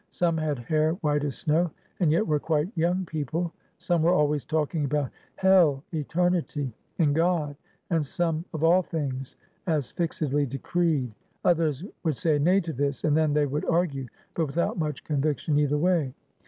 Some had hair white as snow, and yet were quite young people. Some were always talking about Hell, Eternity, and God; and some of all things as fixedly decreed; others would say nay to this, and then they would argue, but without much conviction either way.